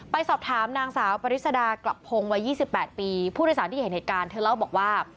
ไปสอบถามนางสาวปริศดากลับพงศ์วัย๒๘ปีผู้โดยสารที่เห็นเหตุการณ์เธอเล่าบอกว่า